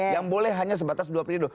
yang boleh hanya sebatas dua periode